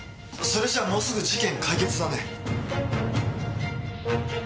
それじゃもうすぐ事件解決だね。